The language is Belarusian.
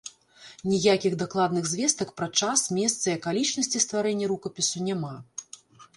Ніякіх дакладных звестак пра час, месца і акалічнасці стварэння рукапісу няма.